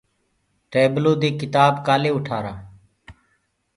ٽيبلو دي ڪِتآب ڪآلي اُٽآرآ۔